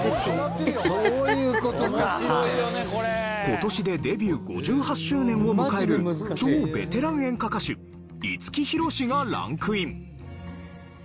今年でデビュー５８周年を迎える超ベテラン演歌歌手五木ひろしがランクイン。